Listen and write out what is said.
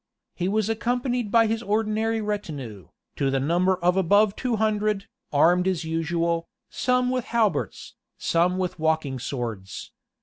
He was accompanied by his ordinary retinue, to the number of above two hundred, armed as usual, some with halberts, some with walking swords.